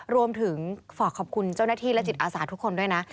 รวมถึงฝากขอบคุณเจ้าหน้าที่และจิตอาสาทุกคนด้วยนะ